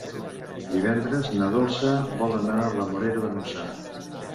Divendres na Dolça vol anar a la Morera de Montsant.